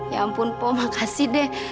ya ampun pom makasih deh